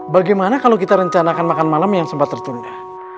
bagaimana kalau kita rencanakan makan malam yang sempat tertunda